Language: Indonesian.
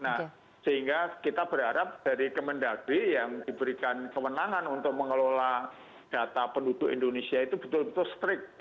nah sehingga kita berharap dari kemendagri yang diberikan kewenangan untuk mengelola data penduduk indonesia itu betul betul strict